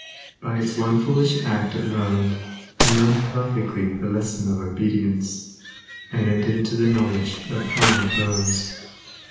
By its one foolish act it learned, and learned perfectly the lesson of obedience, and entered into the knowledge that fire burns.